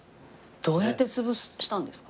どうやって潰したんですか？